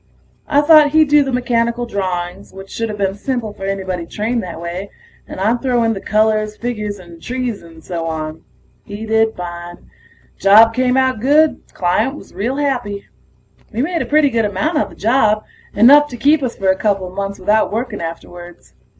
I thought he'd do the mechanical drawings, which shoulda been simple for anybody trained that way, and I'd throw in the colors, figures and trees and so on. He did fine. Job came out good; client was real happy. We made a pretty good amount on the job, enough to keep us for a coupla months without working afterwards.